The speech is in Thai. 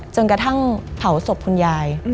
จนกระทั่งเผาศพคุณยาย